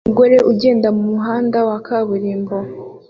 Umugore ugenda mumuhanda wa kaburimbo